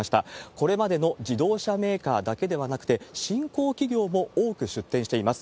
これまでの自動車メーカーだけではなくて、新興企業も多く出展しています。